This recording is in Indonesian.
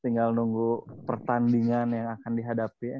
tinggal nunggu pertandingan yang akan dihadapi